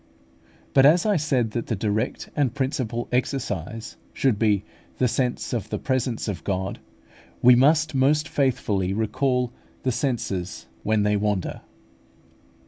But as I said that the direct and principal exercise should be the sense of the presence of God, we must most faithfully recall the senses when they wander.